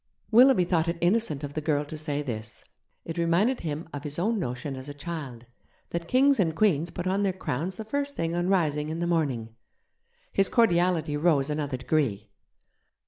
Willoughby thought it innocent of the girl to say this; it reminded him of his own notion as a child that kings and queens put on their crowns the first thing on rising in the morning. His cordiality rose another degree.